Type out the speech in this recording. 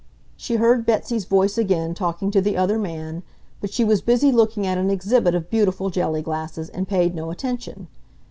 She heard Betsy's voice again talking to the other man, but she was busy looking at an exhibit of beautiful jelly glasses, and paid no attention.